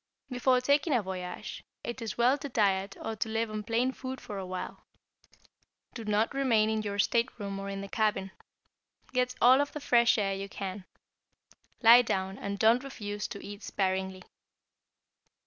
Before taking a voyage, it is well to diet or to live on plain food for a while. Do not remain in your stateroom or in the cabin. Get all of the fresh air you can. Lie down and don't refuse to eat sparingly.